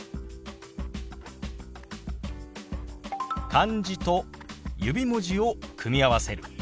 漢字と指文字を組み合わせる。